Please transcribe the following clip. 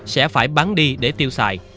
sẽ phải bán đi để tiêu xài